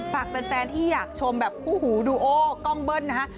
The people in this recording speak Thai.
ฝากแฟนที่อยากชมแบบคู่หูดูโอกล้องเบิ้ลนะฮะ